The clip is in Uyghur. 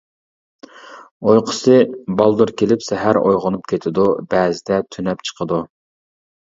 ئۇيقۇسى: بالدۇر كېلىپ، سەھەر ئويغىنىپ كېتىدۇ، بەزىدە تۈنەپ چىقىدۇ.